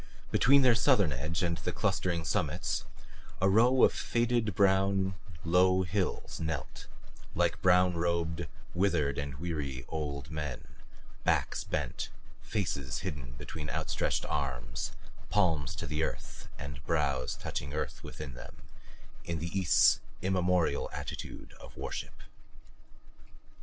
Between their southern edge and the clustering summits a row of faded brown, low hills knelt like brown robed, withered and weary old men, backs bent, faces hidden between outstretched arms, palms to the earth and brows touching earth within them in the East's immemorial attitude of worship.